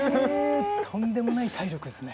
とんでもない体力ですね。